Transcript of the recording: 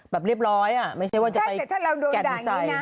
แบบเรียบร้อยไม่ใช่ว่าจะไปแก๊ดอย่างที่ใส่